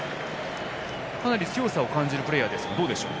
かなり強さを感じるプレーヤーですがどうでしょう？